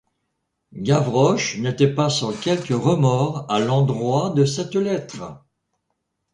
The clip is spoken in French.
Gavroche n'était point sans quelque remords à l'endroit de cette lettre.